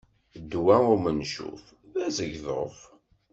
Ddwa umencuf, d azegḍuf.